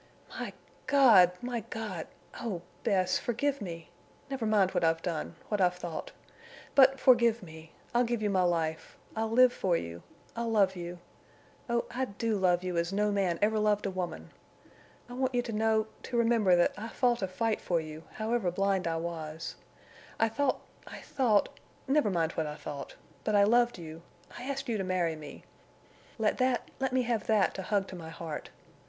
"My God!... My God!... Oh, Bess!... Forgive me! Never mind what I've done—what I've thought. But forgive me. I'll give you my life. I'll live for you. I'll love you. Oh, I do love you as no man ever loved a woman. I want you to know—to remember that I fought a fight for you—however blind I was. I thought—I thought—never mind what I thought—but I loved you—I asked you to marry me. Let that—let me have that to hug to my heart.